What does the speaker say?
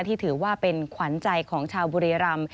ถือว่าเป็นขวัญใจของชาวบุรีรำ